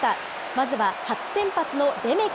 まずは初先発のレメキ。